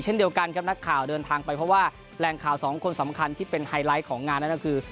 เช่นเดียวกันครับนักข่าวเดินทางไปเพราะว่าแหล่งข่าวสองคนสำคัญที่เป็นไฮไลท์ของงานนั่นก็คือ